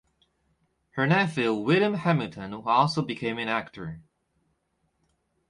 Her nephew William Hamilton also became an actor.